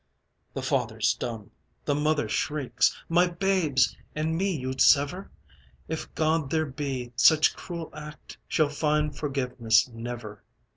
The father's dumb the mother shrieks: "My babes and me you'd sever? If God there be, such cruel act Shall find forgiveness never!